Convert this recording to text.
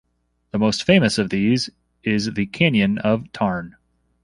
The most famous of these is the canyon of Tarn.